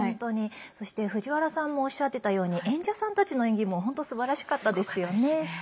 そして、藤原さんもおっしゃっていたように演者さんたちの演技も本当、すばらしかったですよね。